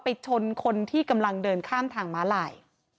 ชนคนที่กำลังเดินข้ามทางม้าลาย